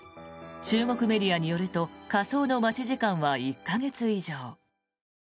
中国メディアによると火葬の待ち時間は１か月以上。